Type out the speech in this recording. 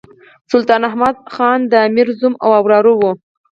سلطان احمد خان د امیر زوم او وراره وو.